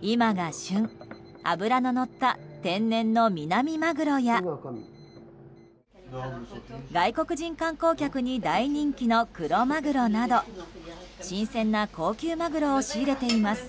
今が旬、脂ののった天然のミナミマグロや外国人観光客に大人気のクロマグロなど新鮮な高級マグロを仕入れています。